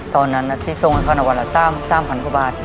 ตอนนั้นที่ทรงคอนวัล๓๐๐๐ขวบาท